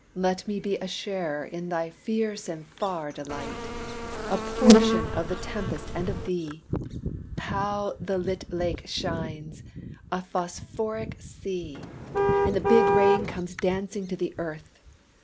let me be A sharer in thy fierce and far delight, A portion of the tempest and of thee! How the lit lake shines, a phosphoric sea, And the big rain comes dancing to the earth!